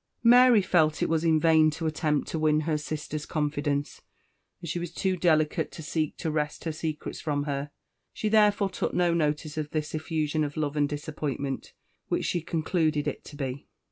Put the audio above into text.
Mary felt it was in vain to attempt to win her sister's confidence, and she was too delicate to seek to wrest her secrets from her; she therefore took no notice of this effusion of love and disappointment, which she concluded it to be.